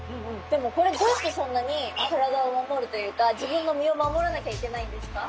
でもこれどうしてそんなに体を守るというか自分の身を守らなきゃいけないんですか？